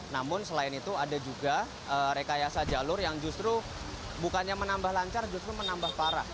namun selain itu ada juga rekayasa jalur yang justru bukannya menambah lancar justru menambah parah